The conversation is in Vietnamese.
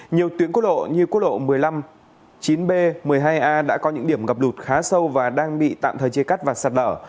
nhiều tuyến quốc lộ như quốc lộ một mươi năm chín b một mươi hai a đã có những điểm ngập lụt khá sâu và đang bị tạm thời chia cắt và sạt lở